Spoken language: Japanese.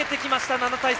７対３。